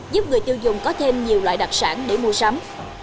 giúp người tiêu dùng có thêm nhiều loại đặc sản để mua sắm